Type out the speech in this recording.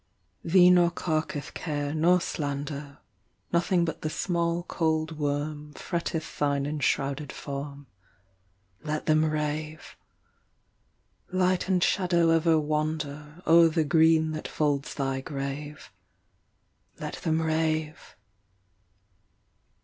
2 Thee nor carketh care nor slander; Nothing but the small cold worm Fretteth thine enshrouded form. Let them rave. Light and shadow ever wander O’er the green that folds thy grave. Let them rave.